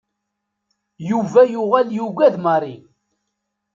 Yuba yuɣal yugad Mary.